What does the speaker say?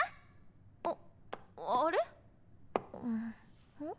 ああれ？ん？